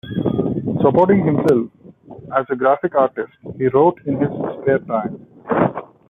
Supporting himself as a graphic artist, he wrote in his spare time.